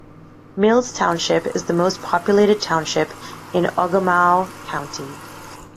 Mills Township is the most populated township in Ogemaw County.